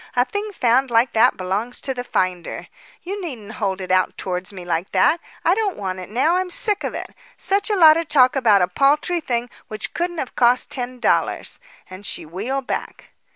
A thing found like that belongs to the finder. You needn't hold it out towards me like that. I don't want it now; I'm sick of it. Such a lot of talk about a paltry thing which couldn't have cost ten dollars." And she wheeled back.